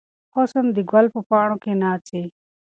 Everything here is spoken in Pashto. حسن د ګل په پاڼو کې ناڅي.